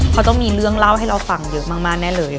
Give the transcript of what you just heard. เขาต้องมีเรื่องเล่าให้เราฟังเยอะมากแน่เลย